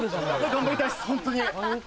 頑張りたいっすホントに。